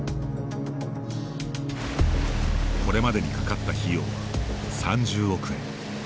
これまでにかかった費用は３０億円。